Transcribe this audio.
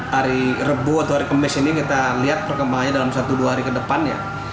hari rebu atau hari kemis ini kita lihat perkembangannya dalam satu dua hari ke depan ya